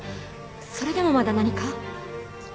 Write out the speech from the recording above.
それでもまだ何か？